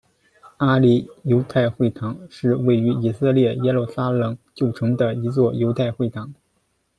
阿里犹太会堂是位于以色列耶路撒冷旧城的一座犹太会堂。